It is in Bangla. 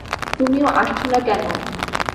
তুমিও আসছো না কেন?